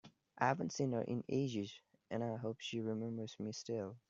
I haven’t seen her in ages, and I hope she remembers me still!